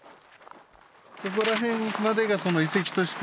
そこら辺までが遺跡として。